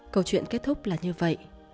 câu chuyện kết thúc là như vậy